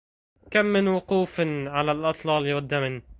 كم من وقوف على الأطلال والدمن